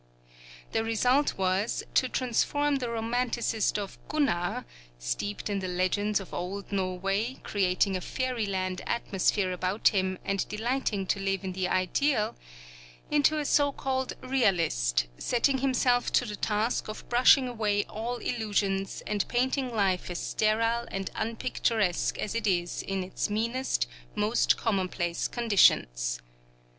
The result was to transform the romanticist of 'Gunnar' steeped in the legends of old Norway, creating a fairy land atmosphere about him and delighting to live in the ideal, into a so called realist, setting himself to the task of brushing away all illusions and painting life as sterile and unpicturesque as it is in its meanest, most commonplace conditions.